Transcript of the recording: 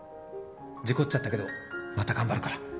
事故っちゃったけどまた頑張るから。